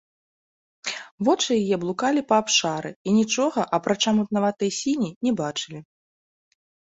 Вочы яе блукалі па абшары і нічога, апрача мутнаватай сіні, не бачылі.